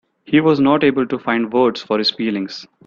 He was not able to find words for his feelings.